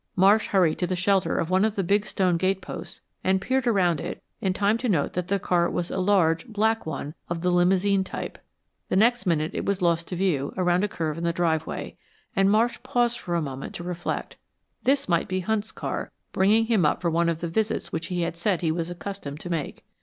Marsh hurried to the shelter of one of the big stone gateposts and peered around it in time to note that the car was a large, black one of the limousine type. The next minute it was lost to view around a curve in the driveway, and Marsh paused for a moment to reflect. This might be Hunt's car bringing him up for one of the visits which he had said he was accustomed to make.